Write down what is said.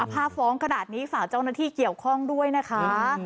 ถ้าฟ้องขนาดนี้ฝากเจ้าหน้าที่เกี่ยวข้องด้วยนะคะ